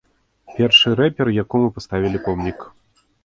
Першы рэпер, якому паставілі помнік.